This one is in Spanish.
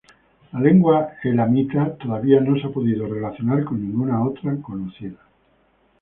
La lengua elamita todavía no se ha podido relacionar con ninguna otra conocida.